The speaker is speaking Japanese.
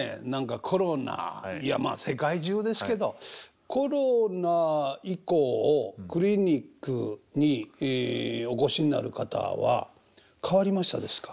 コロナいや世界中ですけどコロナ以降クリニックにお越しになる方は変わりましたですか？